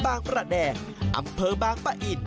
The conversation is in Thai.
บ้างประแดงอำเภอบ้างปะอิ่น